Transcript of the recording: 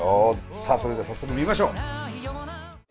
さあそれでは早速見ましょう！